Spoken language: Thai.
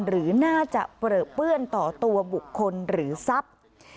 หรือน่าจะเปลือเปื้อนต่อตัวบุคคลหรือทรัพย์